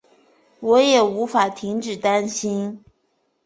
我也无法停止担心